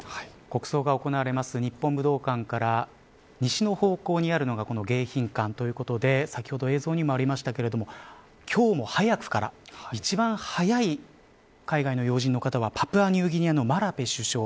国葬が行われます日本武道館から西の方向にあるのが迎賓館ということで先ほど映像にもありましたが今日も早くから一番早い海外の要人の方はパプアニューギニアのマラぺ首相。